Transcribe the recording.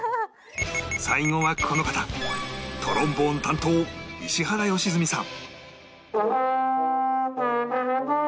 最後はこの方トロンボーン担当石原良純さん